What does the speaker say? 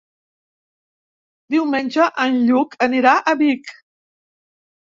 Diumenge en Lluc anirà a Vic.